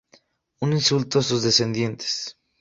Un insulto a sus descendientes.